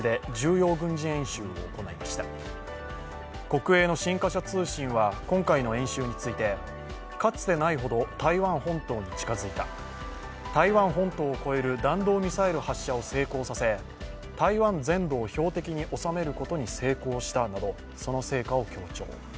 国営の新華社通信は今回の演習についてかつてないほど台湾本島に近づいた、台湾本島を越える弾道ミサイル発射を成功させ台湾全土を標的に収めることに成功したなどその成果を強調。